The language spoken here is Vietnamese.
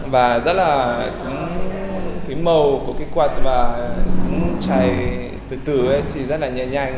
và rất là mầu của quạt và chai từ từ rất là nhẹ nhàng